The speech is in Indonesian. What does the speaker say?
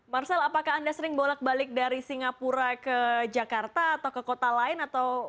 marcel apakah anda sering bolak balik dari singapura ke jakarta atau ke kota lain atau